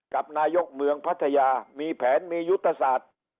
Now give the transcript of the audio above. กับนายกเมืองพัทยามีแผนมียุทธศาสตร์